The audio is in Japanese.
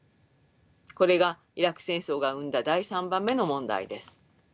これがイラク戦争が生んだ第３番目の問題です。